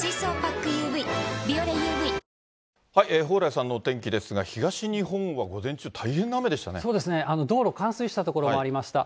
蓬莱さんのお天気ですが、東日本は午前中、そうですね、道路、冠水した所もありました。